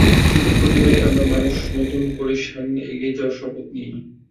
কিন্তু প্রতিবারই আমরা মানুষ নতুন করে সামনে এগিয়ে যাওয়ার শপথ নিই।